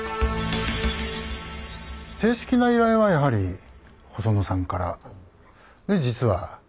正式な依頼はやはり細野さんから。